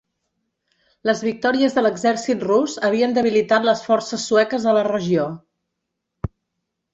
Les victòries de l'exèrcit rus havien debilitat les forces sueques a la regió.